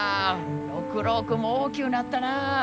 六郎君も大きゅうなったなあ。